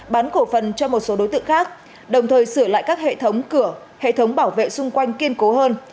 bán cổ phần cho một số đối tượng khác đồng thời sửa lại các hệ thống cửa hệ thống bảo vệ xung quanh kiên cố hơn